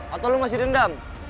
atau lo masih dendam